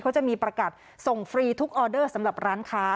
เขาจะมีประกาศส่งฟรีทุกออเดอร์สำหรับร้านค้า